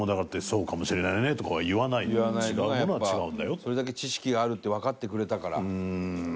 それだけ知識があるってわかってくれたから。